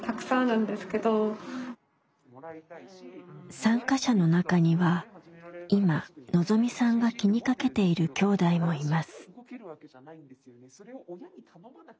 参加者の中には今のぞみさんが気にかけているきょうだいもいます。